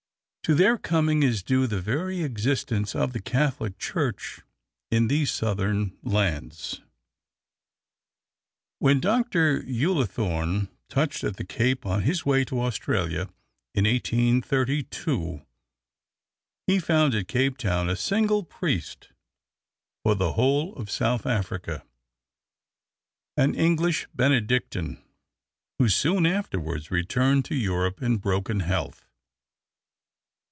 To their coming is due the very existence of the Catholic Church in these southern lands. When Dr. Ullathorne touched at the Cape on his way to Australia in 1832, he found at Cape Town "a single priest for the whole of South Africa," an English Benedictine, who soon afterwards returned to Europe in broken health.